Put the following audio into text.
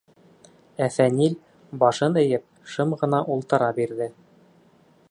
Ә Фәнил, башын эйеп, шым ғына ултыра бирҙе.